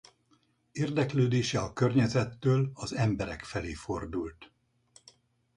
Érdeklődése a környezettől az emberek felé fordult.